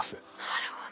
なるほど。